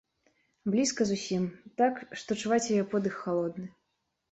Блізка зусім, так, што чуваць яе подых халодны.